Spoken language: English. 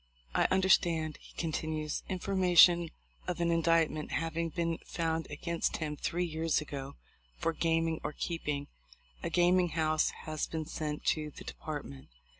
I understand," he continues, "information of an in dictment having been found against him three years ago for gaming or keeping a. gaming house has been sent to the Department."